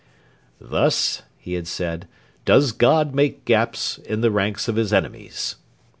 'Thus,' he had said, 'does God make gaps in the ranks of His enemies.'